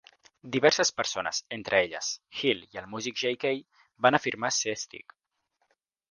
Diverses persones, entre elles Hill i el músic Jay Kay, van afirmar ser Stig.